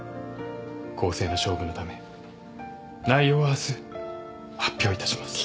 公正な勝負のため内容は明日発表いたします。